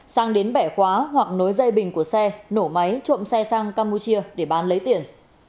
sang đến bẻ khóa hoặc nối dây bình của xe nổ máy trộm xe sang campuchia để bán lấy tiền